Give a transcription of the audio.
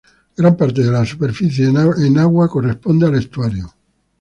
La gran parte de la superficie en agua corresponde al estuario.